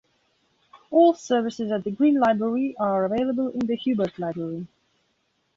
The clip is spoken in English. All services at the Green Library are available in the Hubert Library.